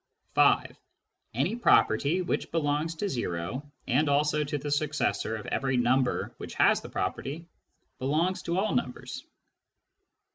(5) Any property which belongs to o, and also to the successor of any number which has the property, belongs to all numbers.